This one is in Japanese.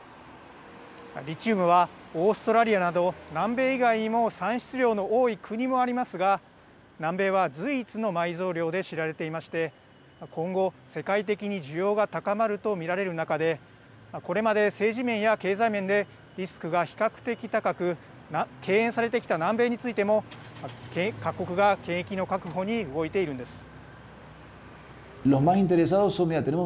リチウムはオーストラリアなど南米以外にも産出量の多い国もありますが南米は、髄一の埋蔵量で知られていまして今後、世界的に需要が高まると見られる中でこれまで政治面や経済面でリスクが比較的、高く敬遠されてきた南米についても各国が権益の確保に動いているんです。